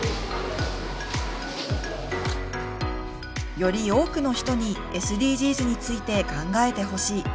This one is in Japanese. より多くの人にＳＤＧｓについて考えてほしい。